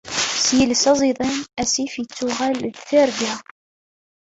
S yiles aẓidan, asif ittuɣal d targa.